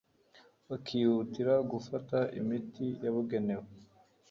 bakihutira gufata imiti yabugenewe